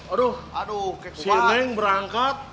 aduh si neng berangkat